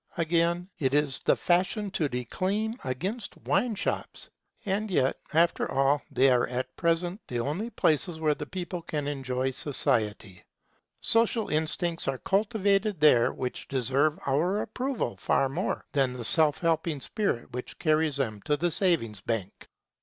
Again, it is the fashion to declaim against wine shops; and yet after all they are at present the only places where the people can enjoy society. Social instincts are cultivated there which deserve our approval far more than the self helping spirit which carries men to the savings bank.